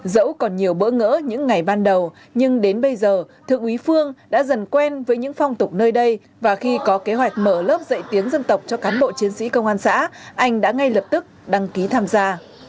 dẫu còn nhiều bỡ ngỡ những ngày ban đầu nhưng đến bây giờ thượng úy phương đã dần quen với những phong tục nơi đây và khi có kế hoạch mở lớp dạy tiếng dân tộc cho cán bộ chiến sĩ công an xã anh đã ngay lập tức đăng ký tham gia